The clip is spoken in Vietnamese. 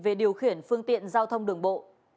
về điều khiển phương tiện giao thông đường bộ